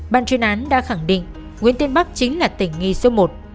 ban chuyên án đã khẳng định nguyễn tiên bắc chính là tỉnh nghi số một